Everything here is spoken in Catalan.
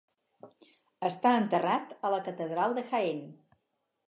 Està enterrat a la catedral de Jaén.